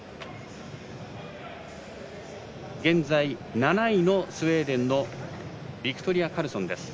現在７位のスウェーデンのビクトリア・カルソン。